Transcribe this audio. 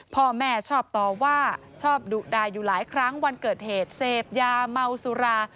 พ่อแม่ชอบต่อว่าชอบดุดาอยู่หลายครั้งวันเกิดเหตุเสพยาเมาสุรา